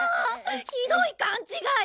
ひどい勘違い！